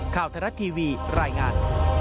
ทรัฐทีวีรายงาน